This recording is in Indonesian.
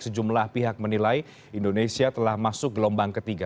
sejumlah pihak menilai indonesia telah masuk gelombang ketiga